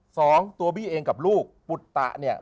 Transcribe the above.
สองตัวบี้เองกับลูกปุตตะเนี่ย